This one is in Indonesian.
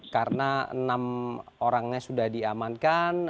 karena enam orangnya sudah diamankan